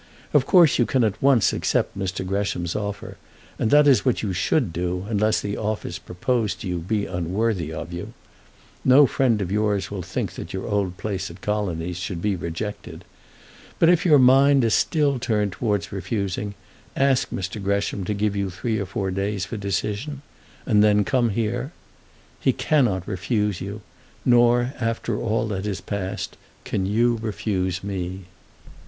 Of course you can at once accept Mr. Gresham's offer; and that is what you should do unless the office proposed to you be unworthy of you. No friend of yours will think that your old place at the Colonies should be rejected. But if your mind is still turned towards refusing, ask Mr. Gresham to give you three or four days for decision, and then come here. He cannot refuse you, nor after all that is passed can you refuse me.